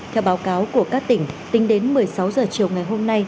theo báo cáo của các tỉnh tính đến một mươi sáu h chiều ngày hôm nay